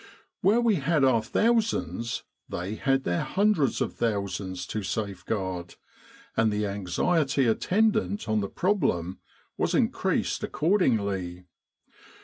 Where we had our thousands, they had their hundreds of thousands to safeguard, and the anxiety attendant on the problem was increased accordingly.